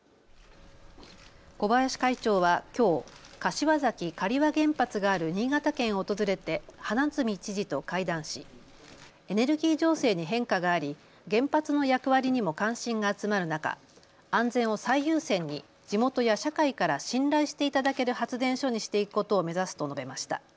小林会長はきょう柏崎刈羽原発がある新潟県を訪れて花角知事と会談しエネルギー情勢に変化があり原発の役割にも関心が集まる中、安全を最優先に地元や社会から信頼していただける発電所にしていくことを目指すと述べました。